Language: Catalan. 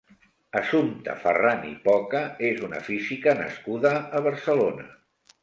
Assumpta Farran i Poca és una física nascuda a Barcelona.